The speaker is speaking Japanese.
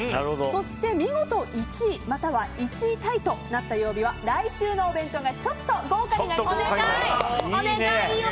そして見事１位、または１位タイとなった曜日は来週のお弁当がちょっと豪華になります！